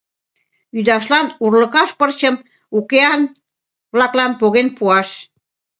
Ӱдашлан урлыкаш пырчым укеан-влаклан поген пуаш.